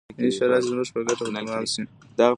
انشاالله چې زموږ په ګټه به تمام شي.